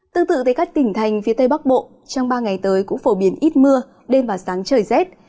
tương tự tới các tỉnh thành phía tây bắc bộ trong ba ngày tới cũng phổ biến ít mưa đêm và sáng trời rét